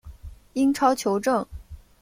英超球证